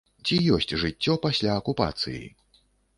Ці ёсць жыццё пасля акупацыі?